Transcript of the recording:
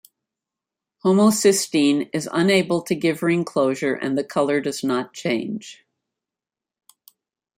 Homocysteine is unable to give ring closure and the color does not change.